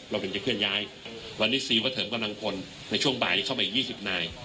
เราถึงจะเคลื่อนย้ายวันนี้ซีเวอร์เทิมก็นังพลในช่วงบ่ายเข้ามาอีกยี่สิบนาย